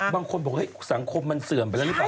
บางคนบอกสังคมมันเสื่อมไปแล้วหรือเปล่า